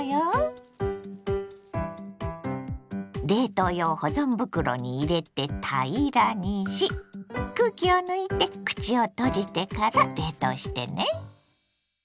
冷凍用保存袋に入れて平らにし空気を抜いて口を閉じてから冷凍してね。